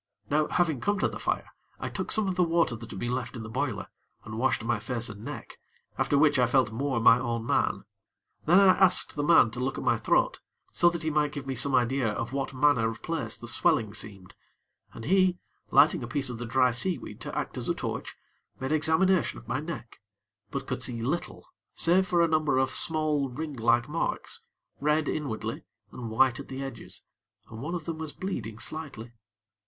Now, having come to the fire, I took some of the water that had been left in the boiler, and washed my face and neck, after which I felt more my own man. Then I asked the man to look at my throat, so that he might give me some idea of what manner of place the swelling seemed, and he, lighting a piece of the dry seaweed to act as a torch, made examination of my neck; but could see little, save a number of small ring like marks, red inwardly, and white at the edges, and one of them was bleeding slightly.